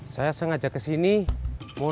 saya sengaja kesini ga ada apa apa ya kan